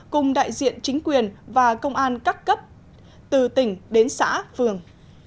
cùng đại diện chính quyền và công an các cấp từ tỉnh đến xã phường